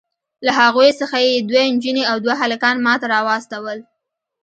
له هغوی څخه یې دوې نجوني او دوه هلکان ماته راواستول.